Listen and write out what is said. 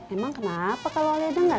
emang kenapa kalau alia dengar